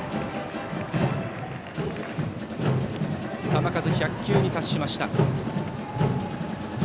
球数が１００球に達しました。